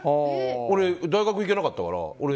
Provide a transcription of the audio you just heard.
俺大学行けなかったから。